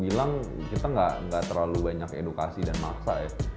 nah kalau untuk edukasi sebenernya kita bilang kita gak terlalu banyak edukasi dan maksa ya